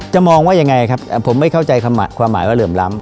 มองว่ายังไงครับผมไม่เข้าใจความหมายว่าเหลื่อมล้ำ